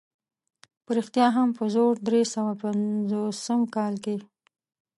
په رښتیا هم په زرو درې سوه پنځوسم کال کې.